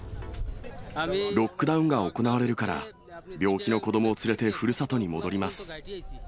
ロックダウンが行われるから、病気の子どもを連れてふるさとに戻ります。